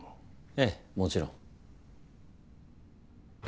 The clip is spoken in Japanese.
ええもちろん。